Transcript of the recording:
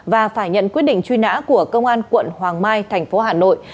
và phải nhận quyết định truy nã của công an quận hoàng mai thành phố hà nội